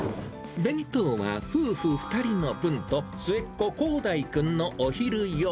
弁当は夫婦２人の分と、末っ子、こうだいくんのお昼用。